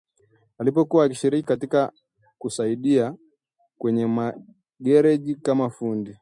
alipokuwa akishiriki katika kusaidia kwenye magereji kama fundi